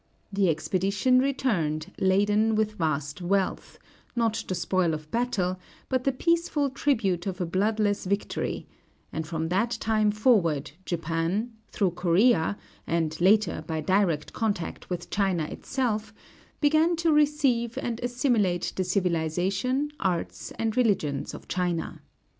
The expedition returned laden with vast wealth, not the spoil of battle, but the peaceful tribute of a bloodless victory; and from that time forward Japan, through Corea, and later by direct contact with China itself, began to receive and assimilate the civilization, arts, and religions of China.